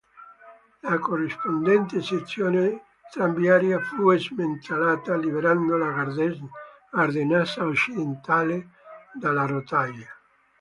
La corrispondente sezione tranviaria fu smantellata, liberando la Gardesana Occidentale dalle rotaie.